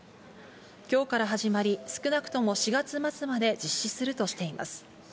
今日から始まり、少なくとも４月末まで実施するとしています。